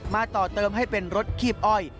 ต่อเติมให้เป็นรถคีบอ้อย